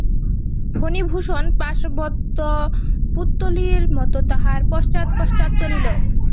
ফণিভূষণ পাশবদ্ধ পুত্তলীর মতো তাহার পশ্চাৎ পশ্চাৎ চলিল।